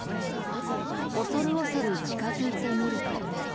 恐る恐る近付いてみると。